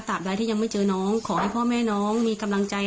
ใดที่ยังไม่เจอน้องขอให้พ่อแม่น้องมีกำลังใจ